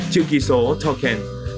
chữ ký số token